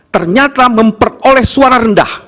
ternyata memperoleh suara rendah